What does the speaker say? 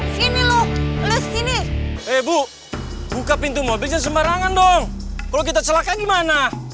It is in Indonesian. sini loh sini bu buka pintu mobilnya sembarangan dong kalau kita celaka gimana